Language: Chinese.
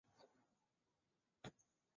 我还要听你背一次啊？